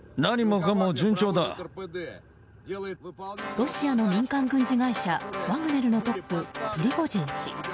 ロシアの民間軍事会社ワグネルのトップ、プリゴジン氏。